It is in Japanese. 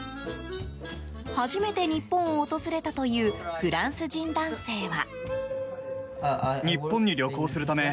初めて日本を訪れたというフランス人男性は。